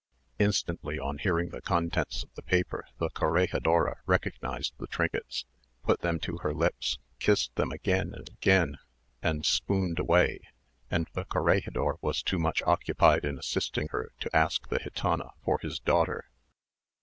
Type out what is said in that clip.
Instantly, on hearing the contents of the paper, the corregidora recognised the trinkets, put them to her lips, kissed them again and again, and swooned away; and the corregidor was too much occupied in assisting her to ask the gitana for his daughter.